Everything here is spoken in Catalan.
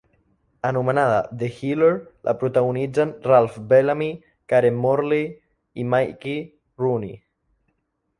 Anomenada "The Healer", la protagonitzen Ralph Bellamy, Karen Morley i Mickey Rooney.